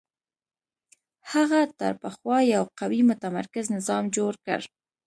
هغه تر پخوا یو قوي متمرکز نظام جوړ کړ